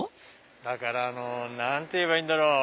だから何て言えばいいんだろう？